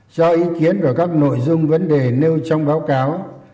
cho ý kiến vào các nội dung vấn đề nêu trong báo cáo